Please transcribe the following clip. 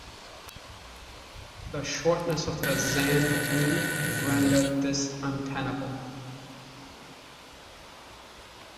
The shortness of the Zand rule rendered this untenable.